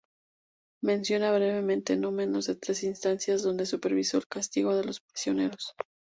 Menciona brevemente no menos de tres instancias donde supervisó el castigo de los prisioneros.